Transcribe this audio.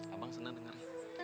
abang seneng denger